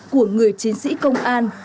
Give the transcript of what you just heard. của người chiến sĩ công an